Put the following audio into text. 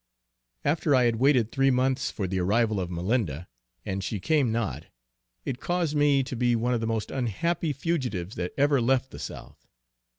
After I had waited three months for the arrival of Malinda, and she came not, it caused me to be one of the most unhappy fugitives that ever left the South.